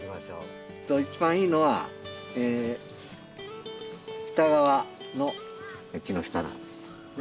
一番いいのは北側の木の下なんですね。